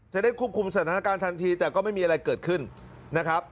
จะได้ควบคุมสถานการณ์ทันทีแต่ก็ไม่มีอะไรเกิดขึ้นนะครับ